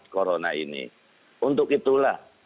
corona ini untuk itulah